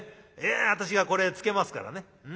いや私がこれ付けますからね。